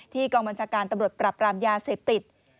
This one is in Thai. กองบัญชาการตำรวจปรับรามยาเสพติด